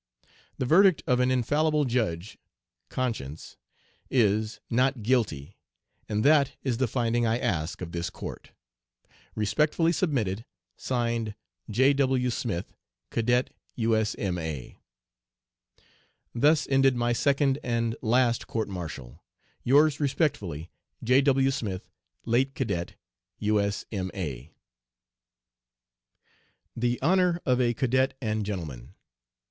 The verdict of an infallible judge conscience is, "Not guilty," and that is the finding I ask of this court. "Respectfully submitted. (Signed) "'J. W. SMITH, "'Cadet U.S.M.A.' "'Thus ended my second and last court martial. "Yours respectfully, "J. W. SMITH, "Late Cadet U.S.M.A." THE HONOR OF A CADET AND GENTLEMAN.